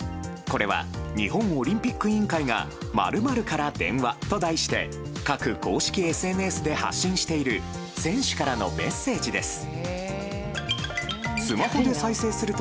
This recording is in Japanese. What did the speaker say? これは日本オリンピック委員会が「○○から電話」と題して各公式ＳＮＳで発信している選手からのメッセージです。